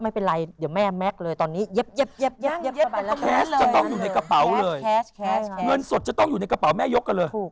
หูอ่ะดูแล้วมันเหมือนจะไป